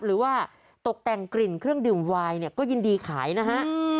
หรือว่าตกแต่งกลิ่นเครื่องดื่มวายเนี่ยก็ยินดีขายนะฮะ